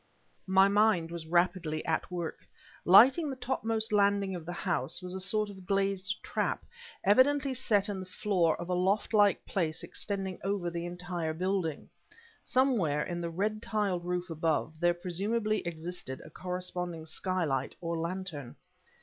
My mind was rapidly at work. Lighting the topmost landing of the house was a sort of glazed trap, evidently set in the floor of a loft like place extending over the entire building. Somewhere in the red tiled roof above, there presumably existed a corresponding skylight or lantern.